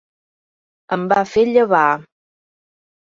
Em van fer llevar.